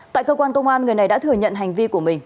tại cơ quan công an người này đã thừa nhận hành vi của mình